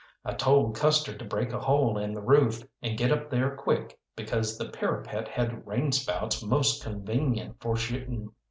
I told Custer to break a hole in the roof and get up there quick, because the parapet had rain spouts most convenient for shooting.